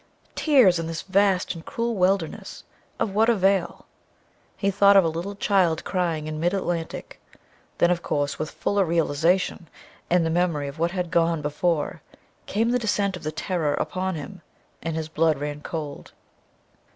Tears in this vast and cruel wilderness: of what avail? He thought of a little child crying in mid Atlantic.... Then, of course, with fuller realization, and the memory of what had gone before, came the descent of the terror upon him, and his blood ran cold.